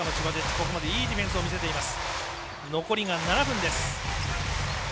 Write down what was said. ここまでいいディフェンスを見せています。